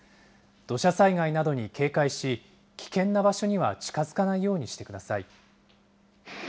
土砂災害などに警戒し、危険な場所には近づかないようにしてください。